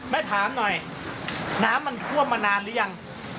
แม่ถามหน่อยน้ำมันท่วมมานานหรือยัง